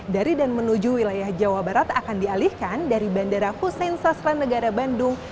dari dan menuju wilayah jawa barat akan dialihkan dari bandara hussein sasran negara bandung